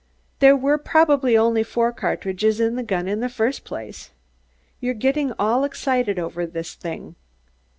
"There were probably only four cartridges in the gun in the first place. You're gettin' all excited over this thing.